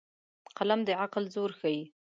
قلم د عقل زور ښيي